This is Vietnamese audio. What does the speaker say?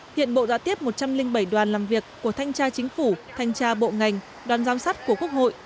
hiện bộ đã tiếp một trăm linh bảy đoàn làm việc của thanh tra chính phủ thanh tra bộ ngành đoàn giám sát của quốc hội